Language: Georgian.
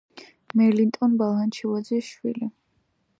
მელიტონ ბალანჩივაძის შვილი.